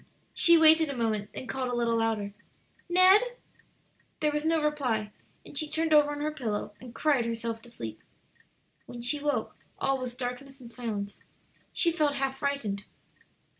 She waited a moment, then called a little louder, "Ned!" There was no reply, and she turned over on her pillow, and cried herself to sleep. When she woke all was darkness and silence. She felt half frightened.